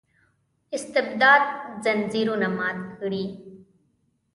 استبداد ځنځیرونه مات کړي.